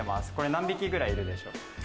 何匹くらいいるでしょう？